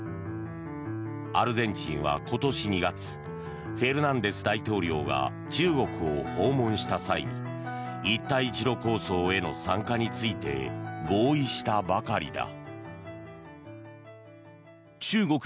アルゼンチンは今年２月フェルナンデス大統領が中国を訪問した際に一帯一路構想への参加について合意したばかりだ。